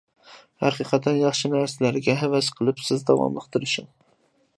ھەقىقەتەن ياخشى نەرسىلەرگە ھەۋەس قىپسىز، داۋاملىق تىرىشىڭ.